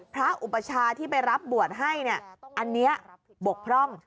อุปชาที่ไปรับบวชให้เนี่ยอันนี้บกพร่อง